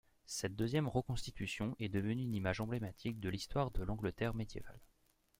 Cette deuxième reconstitution est devenue une image emblématique de l'histoire de l'Angleterre médiévale.